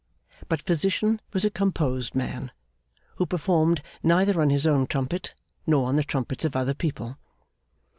But Physician was a composed man, who performed neither on his own trumpet, nor on the trumpets of other people.